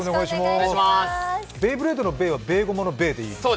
ベイブレードのベイはベイゴマのベイでいいですか？